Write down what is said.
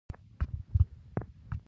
ایسی برښنا لګوي